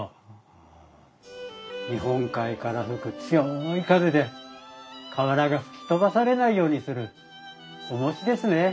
日本海から吹く強い風で瓦が吹き飛ばされないようにするおもしですね。